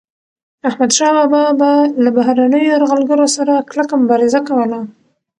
احمدشاه بابا به له بهرنيو یرغلګرو سره کلکه مبارزه کوله.